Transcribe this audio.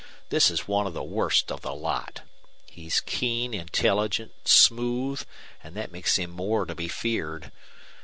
This is one of the worst of the lot. He's keen, intelligent, smooth, and that makes him more to be feared.